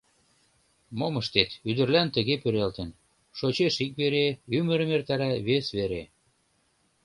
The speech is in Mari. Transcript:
Мом ыштет, ӱдырлан тыге пӱралтын: шочеш ик вере, ӱмырым эртара вес вере.